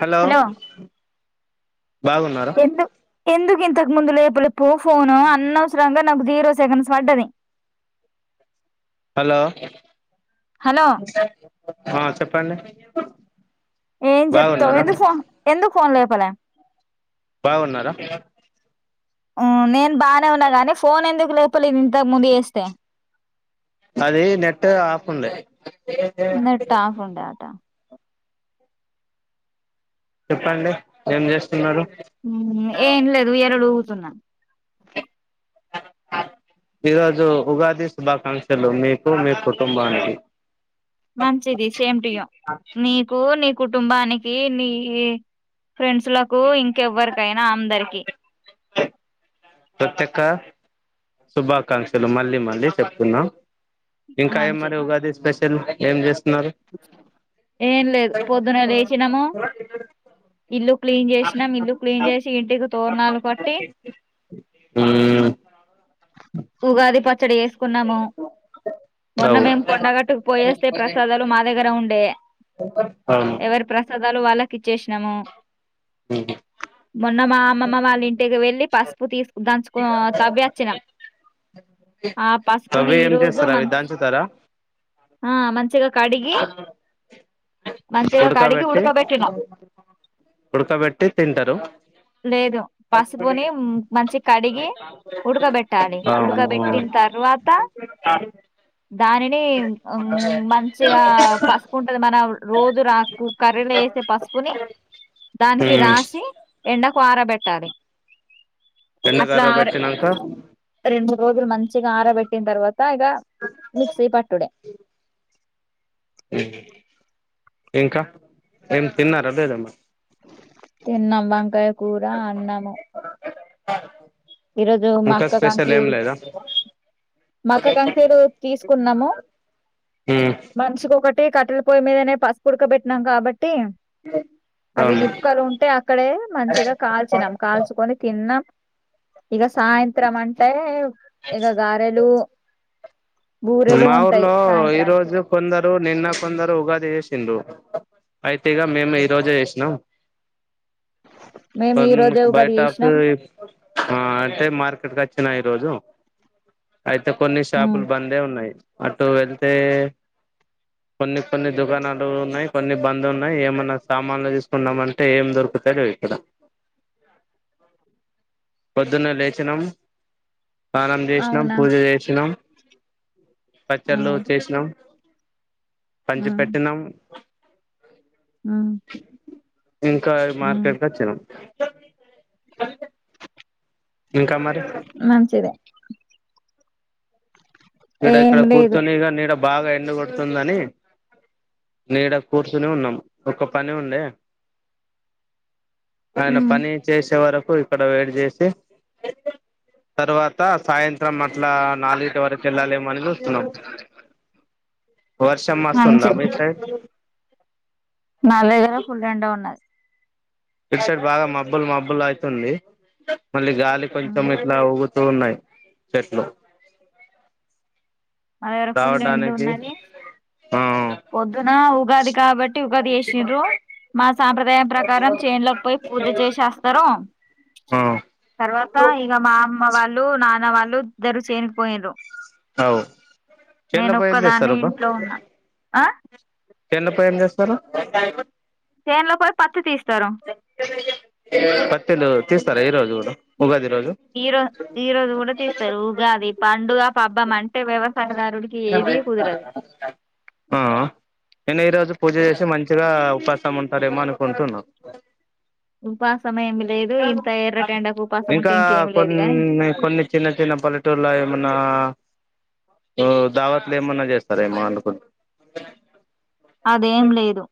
Hello బాగున్నారా ఎందు ఎందుకు ఇంతకు ముందు లేపలే ఫోను అన్నవసరంగా నాకు జీరో సెకన్స్ వడ్డది హలో హా చెప్పండి ఏం చెప్తం బాగున్నారా ఎందుకు ఫోన్ ఎందుకు ఫోన్ లేపలే బాగున్నారా ఆ నేను బాగనే ఉన్న గాని ఫోన్ ఎందుకు లేపలేదు ఇంతగకు ముందు చేస్తే నాది నెట్ ఆఫ్ ఉండే నెట్ ఆఫ్ ఉండే అట చెప్పండి ఏం చేస్త్ మ్మ్ ఏం లేదు ఉయల లు ఊగుతున్నా ఈరోజు ఉగాది శుభాకాంక్షలు మీకు మీ కుటుంబానికి మంచిది సేమ్ టు యు నీకు నీ కుటుంబానికి నీ ఇ ఫ్రెండ్స్ లకు ఇంకెవ్వరికైనా అందరికి ప్రత్యక శుభాకాంక్షలు మళ్ళీ మళ్ళీ చెప్పుతున్నా ఇంకా ఏం మరి మంచిది ఉగాది స్పెషల్ ఏం చేస్తున్నారు ఏం లేదు పొద్దున లేచినాము ఇల్లు క్లీన్ చేసినం ఇల్లు క్లీన్ చేసి ఇంటికి తోరణాలు కట్టి మ్మ్ ఉగాది పచ్చడి ఏసుకున్నాము మొన్న అవు మేం కొండగట్టుకు పోయేస్తే ప్రసాదాలు మా దగ్గర ఉండేయ అవును వాళ్ళ వాళ్ళకి ఇచ్చేసినము ఉహు మొన్న మా అమ్మమ్మ వాళ్ళ ఇంటికి వెళ్ళి పసుపు తీసుకు దంచుక్ తవ్వి వచ్చినం ఆ పసుపు ని అవి ఏం ఈరోజు చేస్తారు అవి మంచ్ దంచుతారా ఆ మంచిగా కడిగి మంచిగా కడిగి ఉడకబెట్టి ఉడకబెట్టినాం. ఉడకబెట్టి తింటారు లేదు పసుపుని మంచిగ కడిగి ఉడకబెట్టాలి. అవునా ఉడకబెట్టిన తర్వాత కొంచెపు గాలికి దానిని హ్మ్, పెడతారు [inaudible] కూ రాకు కర్రీలో ఏసే పసుపుని దానికి మ్మ్ రాసి నాక అరబెట్టాలి అట్ల ఎండగర్ర అర్ పెట్టినాక రెండు మూడ్ రోజులు మంచిగా ఆరబెట్టిన తర్వాత ఇగ మిక్సి పట్టుడ ఇంకా ఏం తిన్నారా లేదా మరి ఏం మళ్ళా వంకాయ కూర అన్నము తలపు ఇ రోజు మా అక్క కాంక్లి మక్క కంకెలు తీసుకున్నము మ్మ్ మనిషికి ఒకట్ అంటే కట్టెల పోయి మీదనే పసుపు ఉడక పెట్టినం కాబట్టి అవి అవును నిప్పుకలు ఉంటే అక్కడే మంచిగ కాల్చినం కాల్చుకొని తిన్నం ఇక సాయంత్రం అంటే ఇక గారెలు బూరెలు మా ఉంటాయి ఊర్లో ఈ సాయంత్రానికి రోజు కొందరు నిన్న కొందరు ఉగాది చేస్ అయితే ఇక మేము ఈ రోజే చేసినాం మేము ఈ కొన్ రోజే ఉగాది బయటకు చేసినాం అంటే మార్కెట్కి వచ్చినాయం అయితే కొన్ని స్యపలు ఉన్నాయి అటు వెళ్తే కొన్ని కొన్ని దుకాణాలు ఉన్నాయి కొన్ని బంద్లు ఉన్నాయి ఏమన్నా సామాన్లు తీసుకున్నాం అంటే ఏం దొరుకు టిప్పర్ ఎక్కినం పోద్దున్నే లేచినాం స్నానం చేసినాం అవునా పూజ చేసినాం పచ్చల్లు ఉమ్ చేసినాం పంచి పెట్టినం మ్మ్ ఇంకా మార్కెట్ కు వచ్చినం ఇంకా మరి మంచిదే ఇడ ఏం ఇక్కడ లేదు కూర్చుని ఇగా నీడ బాగా ఎండగొడుతుందని నీడ కూర్చని ఉన్నాం ఒక్క పని ఉండే ఆయన పని చేసే వరకు ఇక్కడ వెయిట్ చేసి తర్వాత సాయంత్రం అట్లా నాలుగిటి వరకు వెళ్లాలేమో అని చూస్తున్నాము వర్షం మస్తుందా మంచి మీ సైడ్ నా దగ్గర ఫుల్ ఎండ ఉన్నది ఇట్ సైడ్ బాగా మబ్బులు మబ్బులు అయితుంది మళ్ళీ గాలి కొంచెం ఇట్లా ఊ తున్నాయి చెట్లు మా దగ్గర ఫుల్ ఎండ రావడానికి ఉన్నది ఆ పొద్దున ఉగాది కాబట్టి ఉగాది చేసిర్రు మా సాంప్రదాయం ప్రకారం చేన్లోకి పోయి పూజ చేసి వస్తారు. ఆ తర్వాత ఇగ మా అమ్మ వాళ్ళు నాన్న వాళ్ళు ఇద్దరు చేనికి పొయ్యిర్రు అవు నేను చేన్లపై ఏం ఒక్కదాన్ని చేస్తారు ఇంట్లో ఉన్నాను ఆ ఎన్నపై ఏం చేస్తారు చేన్ లో పోయి పత్తి తీస్తారు పత్తిలు తీస్తారా ఈ రోజు కూడా ఉగాది రోజు ఈ రోజు ఈ రోజు కూడా తీస్తారు ఉగాది పండుగ పబ్బం అంటే వ్యవస్ ఆ నేను ఈ రోజు పూజ చేసి మంచిగా పత్తం ఉంటారేమో అనుకుంటున్నా. ఉపాస్ ఉంటే ఇంకా ఇంకేమి లేదు గాని కొన్ని కొన్ని చిన్న చిన్న పల్లెటూర్లయే మన్నా ఓ దావత్లో ఏమన్నా చేస్తారేమో అనుకుంట అదేం లేదు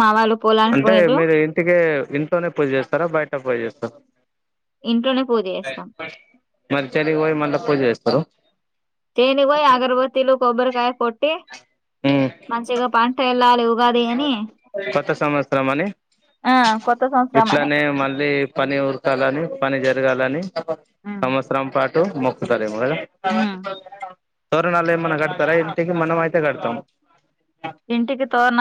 మా వాళ్ళు పొలానికి అంటే పోయిండ్రు మీరు ఇంటికే ఇంట్లోనే పూజ చేస్తారా బయట పూజ చేస్తారు ఇంట్లోనే పూజ చేస్తాం మరిచరికి పోయి మళ్ళ పూజ చేస్తరో తేనిగు పోయి అగరబత్తీలు కొబ్బరికాయ కొట్టి ఉమ్ మంచిగా పంట ఎల్లాలే కొత్త సంవత్సరం అని ఆ కొత్త సంవత్సరం అని ఇట్లనే మళ్ళీ పని ఊరకాలని పని చే జరగాలని ఉమ్ సంవత్సరం పాటు మొక్కుతారేమో కదా తోరణాలు ఏమన్నా కడతారా ఇంటికి మనం అయితే కడతాము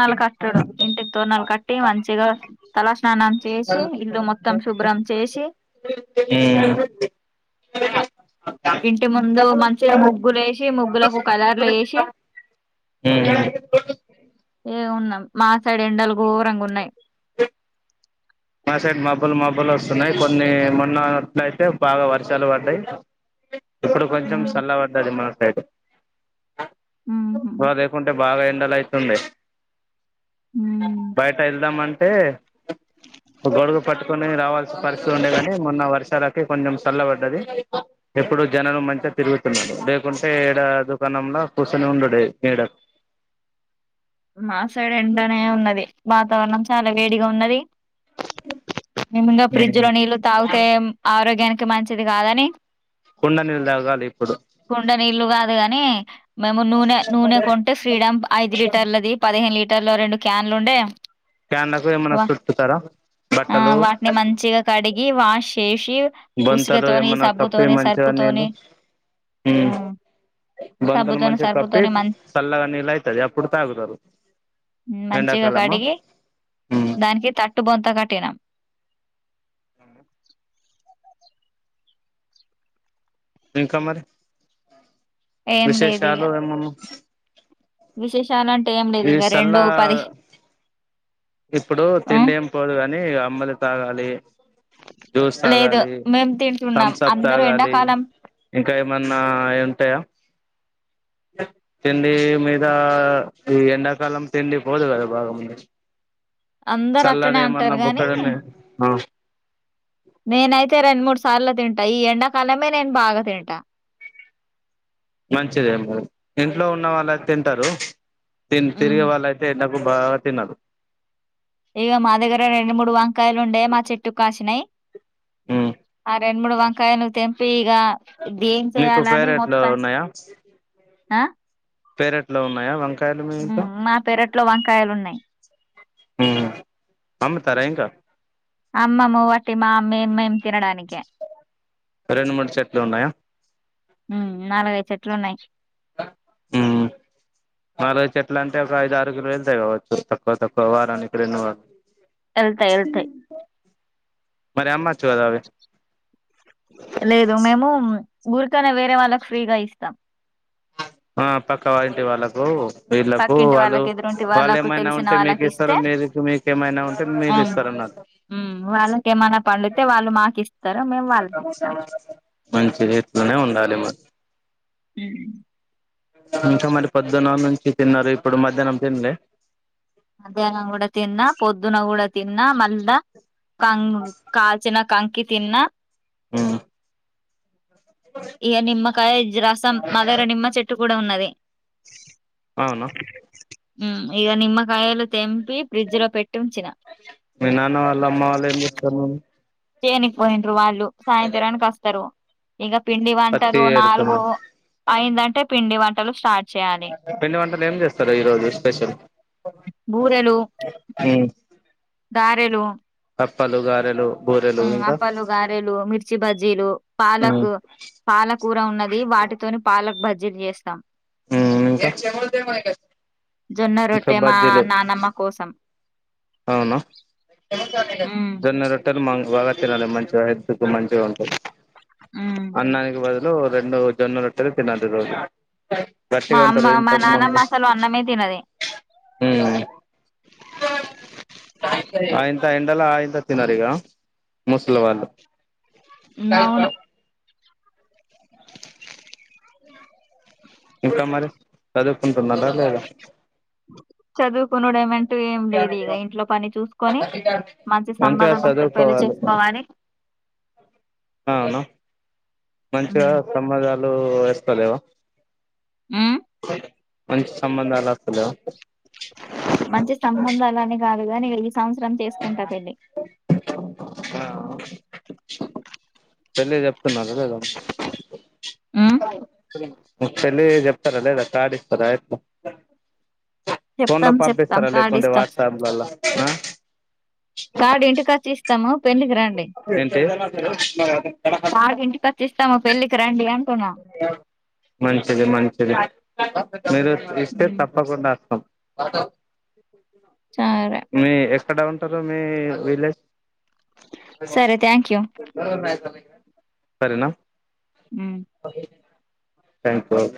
వాళ్ళ కట్డుడు ఇంటికి తోనాలు కట్టి మంచిగా తలస్నానానికి మ్ ఇంటి ముందు మంచిగా ముగ్గులు వేసి ముగ్గులకు కలర్లు వేసి తో ఉన్నా మా సైడ్ ఎండలు గోరంగున్నాయి. మా సైడ్ మబ్బులు మబ్బులు వస్తున్నాయి కొన్ని మొన్నన్నట్ల అయితే బాగా వర్షాలు పడ్డాయి ఇప్పుడు కొంచెం హ్మ్ చల్ల పడ్దది మాకైతే ఉహు ఇ లేకుంటే బాగా ఎండలు అయితుండే హ్మ్ బయట వెళ్దామంటే ఒక గొడుగు పట్టుకుని రావాల్సిన పరిస్థితి ఉండేగాని మొన్న వర్షాలకి కొంచెం చల్ల పడ్డది ఎప్పుడు జనలు మంచిగా తిరుగుతున్నారు లేకుంటే ఏడ దుకాణంలో కూచొని ఉండడు నీడకు మా సైడ్ ఎండనే ఉన్నది వాతావరణం చాలా వేడిగా ఉన్నది మేమింగా ఫ్రిడ్జ్ లో నీళ్లు తాగితే ఆరోగ్యానికి మంచిది కాదని కుండ నీళ్ళు తాగాలి ఇప్పుడు కుండ నీళ్లు కాదు గాని మేము నూనె నూనె కొంటే ఫ్రీడం ఐదు లీటర్ ఈ పదిహేను లీటర్ లో రెండు క్యాన్లు ఉండే క్యాన్లకు ఏమన్నా వా చుట్టుతారా ఆ బట్టలు వాటిని మంచిగా కడిగి వాష్ చేసి బంతలు ఉసుగతోని ఎమన్నా కప్పి సబ్బుతోని మంచిగా నీళ్లు సర్పుతోని ఉమ్ హ్మ్ బంతలు సబ్బుతోని మంచిగ కప్పి సర్పుతోని మంచి సల్లగా నీల్ అయితది అప్పుడు తాగు. మంచిగా కడిగి ఉమ్ దానికి తట్ బొంత కట్టినం. మళ్లీ ఇంకా మరి ఏం లేదు ఇగ విశేషాలు ఏమన్నా? విశేషాలు అంటే ఏం లేదు ఈ ఇంక రెండు సల్లా పది ఇప్పుడు ఆ తిండేం పోదుకా ని అంబలి తాగాలి. జూస్ లేదు తాగాలి మేము తింటున్నాం తమ్సప్ అందరూ తాగాలి. ఎండాకాలం ఇంకా ఏమన్నా అయి ఉంటయా? తిండి మీద ఈ ఎండాకాలం తిండి పోదు కదా బాగ మరి అందరు అట్లనే అంటారు గాని నేనైతే రెండు మూడు సార్లు తింటా ఈ ఎండాకాలమే నేను బాగా తింటా మంచిదే అండి ఇంట్లో ఉన్న వాళ్ళుయితే తింటారు తిన్ ఉమ్ తిరిగే వాళ్ళు అయితే ద భాగా తినరు ఇగ మా దగ్గర రెండు మూడు వంకాయలు ఉండే మా చెట్టు కాసినాయ్ ఉమ్ రెండ్మూడు వంకాయను తెంపి ఇగ ఇది ఏం మీకు చెయాలని పేరెట్లో మొత్తం ఉన్నాయా ఆ పేరెట్లో ఉన్నాయా వంక ఉమ్ మా పెరట్లో వంకాయలున్నాయ్. ఉమ్ అమ్ముతారా ఇంకా? అమ్మము వాటి మా మే మేం తినడానికే రెండు మూడు చెట్లు ఉన్నాయా ఉమ్ నాలుగు చెట్లున్నాయ్. నాలుగైద్ చెట్లు అంటే ఒక ఐదు ఆరు కిలో వెళ్తాయి కావచ్చు తక్కువ తక్కువ వారానికి రెండు వా ఎళ్తాయి ఎళ్తాయి మరి అమ్మా లేదు మేము ఉం ఊరుకనే వేరే వాళ్ళకు ఫ్రీగా ఇస్తాం. ఆ పక్క వా ఇంటి వాళ్ళకు వీళ్ళలకు పక్కింటి వాళ్ళు వాళ్ళకి ఎదురుంటి వాళ్ళు వాళ్ళకు ఏమైనా తెలిసిన ఉంటే మీకు వాళ్ళకి ఇస్తారు ఇస్తే మీది మీకు ఏమైనా ఉంటే మీరు ఇస్తరు అన్నట్ ఉమ్ వాళ్ళకి ఏమైనా పండితే వాళ్ళు మాకు ఇస్తారు మేము వాళ్ళకి ఇస్తాం. అట్నే ఉండాలి మ ఉమ్ ఇంకా మరి పొద్దున్నా నుంచి తిన్నారు ఇప్పుడు మధ్యాహ్నం తిన్లే మధ్యాహ్నం కూడా తిన్నా పొద్దున కూడా తిన్నా మళ్లా కంగ్ కాల్చిన కంకి తిన్నా ఉమ్ ఇక నిమ్మకాయ జ రసం మాదర నిమ్మ చెట్టు కూడా ఉన్నది. అవునా ఉమ్ ఇగ నిమ్మకాయలు తెం పి ఫ్రిడ్జ్లో పెట్టుంచిన మీ నాన్న వాళ్ళ అమ్మ వాళ్ళు ఏం చేస్తారు చేయనీకి పోయిండ్రు వాళ్ళు సాయంత్రానికి అస్తరు. ఇక పిండి పత్తి వంటలు నాలుగు ఏరుతున్నారు అయిందంటే పిండి వంటలు స్టార్ట్ చేయాలి పిండి వంటలు ఏం చేస్తారు ఈ రోజు స్పెషల్ బూరెలు ధారెలు కప్పలు గారెలు బూరెలు ఉమ్ ఇంకా అప్పలు గారెేలు మిర్చి బజ్జీలు పాలక్ ఉమ్ పాలకూర ఉన్నది వాటితోని పాలకు బజ్జీలు చేస్తా ఉమ్ ఇంకా జొన్న ఇంకా రొట్టె మా బజ్జీలు నానమ్మ కోసం అవునా ఉమ్ జొన్న రొట్టలు మంగ్ వల్ల తినాలి మంచిగా హెల్తుకు మంచిగా ఉంటది అన్నానికి బదులు రెండు జొన్న రొట్టెలు తినదు రోజు మా గట్టిగా అమ్మ ఉంటారు మా నానమ్మ ఇంతకుముందు అసలు అన్నమే తినది ఉమ్ ఆ ఇంత ఎండలా ఆ ఇంత తినరిగ ముసలల్ వాళ్ళు నవును ఉ ఇంకా మరి చదువుకుంటున్నర లేదా చదువుకునుడెమన్ ఏటు ఏం లేదు ఇగ ఇంట్లో పని చూసుకొని మంచి మంచిగా సంబంధం వస్తే పెళ్లి చదువుకోవాలి చేసుకోవాలి అవునా మంచిగా సంబంధాలు వస్తలేవా ఉమ్ మంచి సంబంధాలస్తలేవ మంచి సంబంధాలని కాదు కాని ఈ సంవత్సరం చేసుకుంటా పెళ్ళి ఆ పెళ్ళి చెప్తున్నార లేద ఆ పెళ్లికి చెప్తార లేద కార్డు ఇస్తరా ఎట్ల ఫోన్ లో చెప్తాం చెప్తాం పంపిస్తారా కార్డు లేకుంటే ఇస్తాం వాట్సాప్లల్లా కార్డు ఇంటి కచ్చి ఇస్తాము పెళ్ళికి రండి ఏంటి కార్డు ఇంటి కచ్చిస్తాము పెళ్ళికి రండి అ మంచిది మంచిది మీరు ఇస్తే ఉమ్ తప్పకుండా అస్తాం సరే మీ ఎక్కడ ఉంటారు మీ విలేజ్ సరే థ్యాంక్ యూ సరేనా అ థ్యాంక్ యు